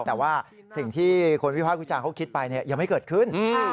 แต่ว่าสิ่งที่คนวิภาควิจารณ์เขาคิดไปยังไม่เกิดขึ้น